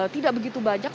tidak begitu banyak